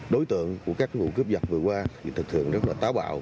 đối tượng của các vụ cướp giật vừa qua thì thực thường rất là táo bạo